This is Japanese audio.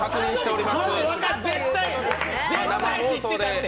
絶対知ってたって！